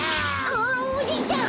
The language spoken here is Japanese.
あおじいちゃん